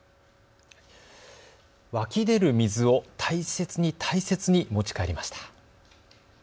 湧き出る水を大切に大切に持ち帰りました。